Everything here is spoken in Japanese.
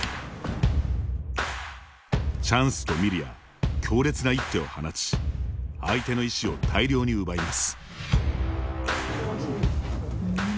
チャンスと見るや強烈な一手を放ち相手の石を大量に奪います。